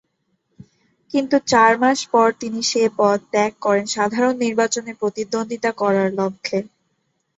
কিন্তু চার মাস পর তিনি সে পদ ত্যাগ করেন সাধারণ নির্বাচনে প্রতিদ্বন্দ্বিতা করার লক্ষ্যে।